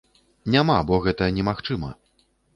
Няма, бо гэта немагчыма.